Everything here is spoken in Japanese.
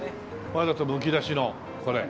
わざとむき出しのこれ。